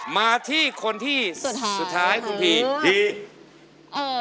มาที่คนที่สุดท้ายของพี่